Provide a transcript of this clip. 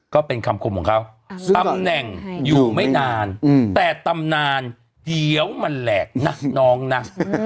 ก็เป็นคำคมของเขาตำแหน่งอยู่ไม่นานแต่ตำนานเดี๋ยวมันแหลกนะน้องนะ